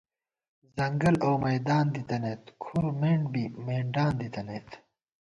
ځنگل اؤمیدان دِتَنَئیت کُھرمېنڈ بی مېنڈان دِتَنَئیت